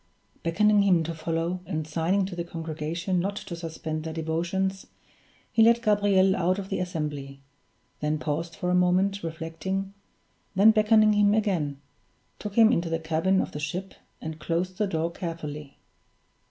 Beckoning him to follow, and signing to the congregation not to suspend their devotions, he led Gabriel out of the assembly then paused for a moment, reflecting then beckoning him again, took him into the cabin of the ship, and closed the door carefully.